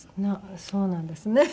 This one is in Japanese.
そうなんですね。